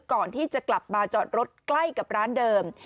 ก่อนที่จะกลับมาจอดรถใกล้กับร้านเดิม